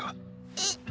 えっ。